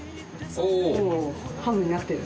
おぉハムになってる。